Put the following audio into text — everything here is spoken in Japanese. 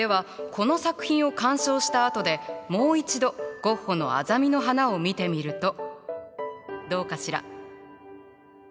この作品を鑑賞したあとでもう一度ゴッホの「アザミの花」を見てみるとどうかしら？